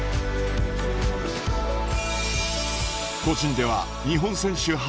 個人では日本選手